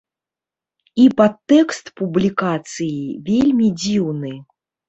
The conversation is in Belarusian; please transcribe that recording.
І падтэкст публікацыі вельмі дзіўны.